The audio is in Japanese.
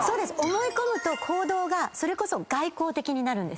思い込むと行動がそれこそ外向的になるんです。